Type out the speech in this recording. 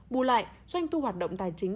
bù lại doanh thu hoạt động tài chính